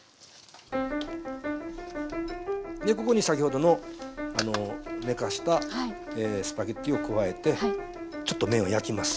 でここに先ほどの寝かせたスパゲッティを加えてちょっと麺を焼きます。